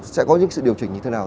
sẽ có những sự điều chỉnh như thế nào